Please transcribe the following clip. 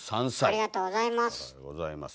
ありがとうございます。